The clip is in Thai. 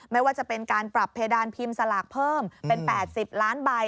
ไม่ว่าจะเป็นการปรับเพดานพิมพ์สลากเพิ่มเป็น๘๐ล้านใบ